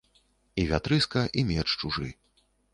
І вятрыска, і меч чужы.